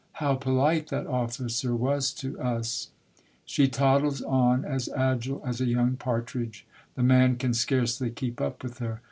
" How polite that officer was to us !" She toddles on, as agile as a young partridge. The man can scarcely keep up with her.